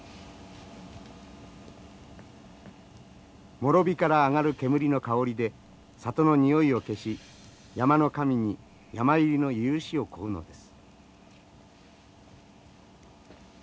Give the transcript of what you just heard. もろ火から上がる煙の香りで里のにおいを消し山の神に山入りの許しを請うのです。